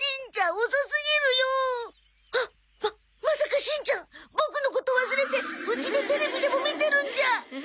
ままさかしんちゃんボクのこと忘れてうちでテレビでも見てるんじゃ。